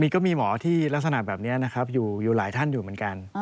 ก็มีหมอที่ลักษณะแบบนี้นะครับอยู่หลายท่านอยู่เหมือนกัน